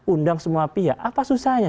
undang semua pihak apa susahnya